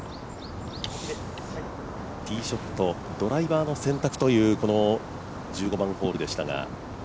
ティーショット、ドライバーの選択という１５番ホールでしたが。